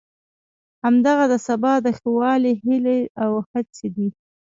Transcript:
همدغه د سبا د ښه والي هیلې او هڅې دي.